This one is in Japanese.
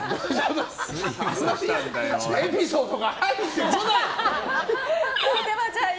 エピソードが入ってこない！